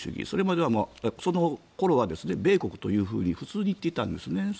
それまではその頃は米国というふうに普通に言っていたんですね。